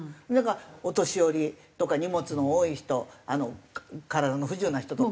お年寄りとか荷物の多い人体の不自由な人とか。